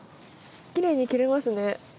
きれいに切れますね。